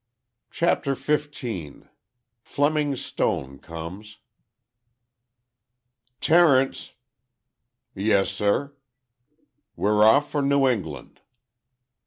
CHAPTER XV FLEMING STONE COMES "Terence." "Yes, sir." "We're off for New England."